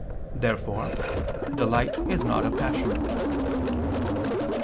Therefore delight is not a passion.